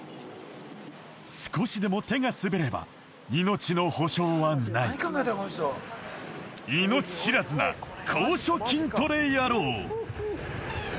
少しでも手が滑れば命の保証はない命知らずな高所筋トレヤロウ！